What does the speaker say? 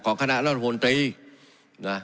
ของคณะละวนธรรมดิ